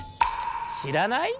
しらない？